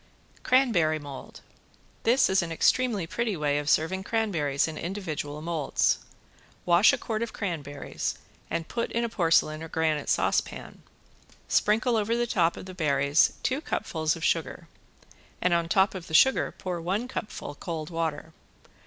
~CRANBERRY MOLD~ This is an extremely pretty way of serving cranberries in individual molds. Wash a quart of cranberries and put in a porcelain or granite saucepan. Sprinkle over the top of the berries two cupfuls of sugar and on top of the sugar pour one cupful cold water.